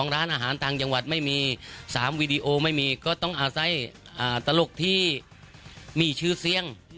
ร้านอาหารต่างจังหวัดไม่มี๓วีดีโอไม่มีก็ต้องอาศัยตลกที่มีชื่อเสียง